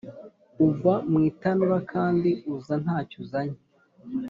uva mu itanura Kandi uza ntacyo uzanye